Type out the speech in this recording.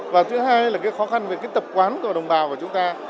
và thứ hai là cái khó khăn về cái tập quán của đồng bào của chúng ta